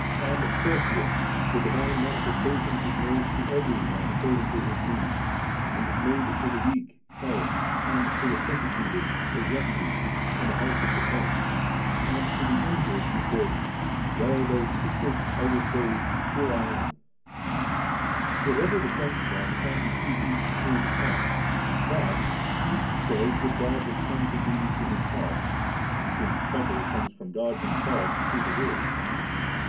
And forthwith the divine manifestation is made to every one according to his need, and is made to the weak health, and to the persecu ted a * refuge ' and * house of defence ;' and to the injured He says, * While thou speakest I t PlkJOOl f. Ikis.«. siatt.jd.A Digitized by Google DISCOURSE 1. 343 will say, Here I am*.' Whatever defence then comes to each through the Son, that each says that God has come to be to himself, since succour comes from God Himself through the Word.